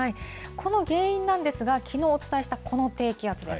この原因なんですが、きのうお伝えしたこの低気圧です。